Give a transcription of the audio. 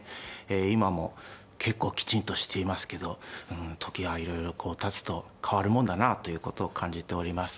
今も結構きちんとしていますけどうん時がいろいろこうたつと変わるもんだなあということを感じております。